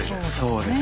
そうです。